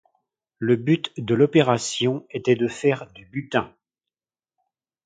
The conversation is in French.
Le but de l'opération était de faire du butin.